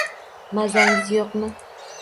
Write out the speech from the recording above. Mazangiz yo`qmi